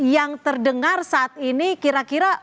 yang terdengar saat ini kira kira